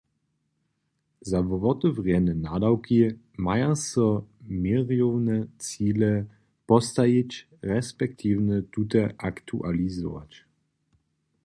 Za wotewrjene nadawki maja so měrjomne cile postajić resp. tute aktualizować.